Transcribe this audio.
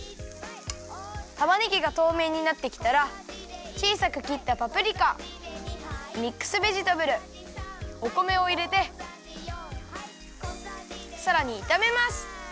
たまねぎがとうめいになってきたらちいさくきったパプリカミックスベジタブルお米をいれてさらにいためます。